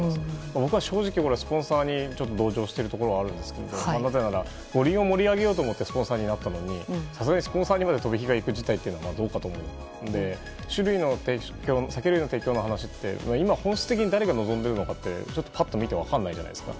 僕は正直スポンサーに同情してるところがあるんですがなぜなら五輪を盛り上げようと思ってスポンサーになったのにさすがにスポンサーにまで飛び火がいく事態というのはどうかと思うので酒類の提供の話というのは本質的に今誰が望んでいるのかってパッと見て分からないじゃないですか。